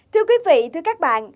thưa quý vị thưa các bạn